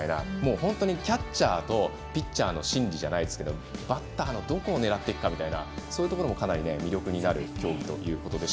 本当にキャッチャーとピッチャーの心理じゃないですけどバッターのどこを狙うかみたいなそういうところもかなり魅力になると。